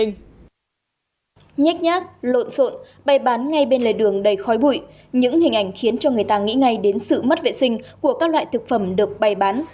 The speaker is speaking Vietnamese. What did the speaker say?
nhách nhát lộn xộn bày bán ngay bên lề đường đầy khói bụi những hình ảnh khiến cho người ta nghĩ ngay đến sự mất vệ sinh của các loại thực phẩm được bày bán